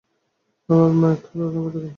আমার মা, এক খালাও সঙ্গে থাকেন।